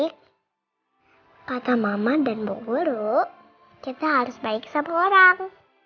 kata mama dan bawa buru kita harus baik sama orang